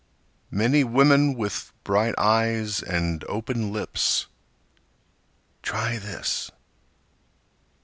Many women with bright eyes and open lips. Try this.